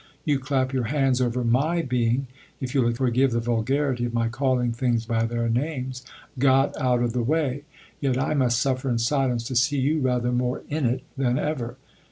You clap your hands over my being if you'll forgive the vulgarity of my calling things by their names got out of the way ; yet I must suffer in silence to see you rather more in it than ever."